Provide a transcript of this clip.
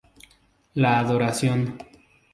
La adoración